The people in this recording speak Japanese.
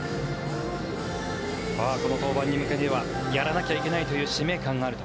この登板に向けてはやらなきゃいけないという使命感があると。